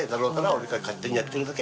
俺が勝手にやってるだけ。